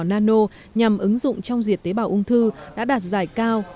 đầu dò nano nhằm ứng dụng trong diệt tế bào ung thư đã đạt giải cao